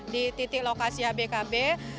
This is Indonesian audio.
di titik lokasi abkb